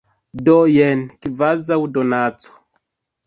Do jen, kvazaŭ donaco.